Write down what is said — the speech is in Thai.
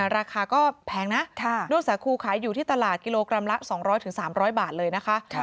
ราคาก็แพงนะด้วงสาคูขายอยู่ที่ตลาดกิโลกรัมละ๒๐๐๓๐๐บาทเลยนะคะ